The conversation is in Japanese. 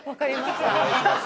お願いします。